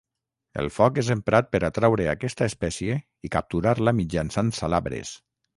El foc és emprat per atraure aquesta espècie i capturar-la mitjançant salabres.